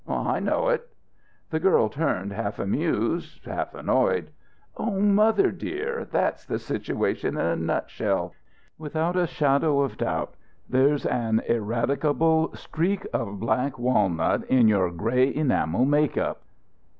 "I know it." The girl turned, half amused, half annoyed. "Oh, mother dear! That's the situation in a nutshell. Without a shadow of doubt, there's an eradicable streak of black walnut in your grey enamel make up."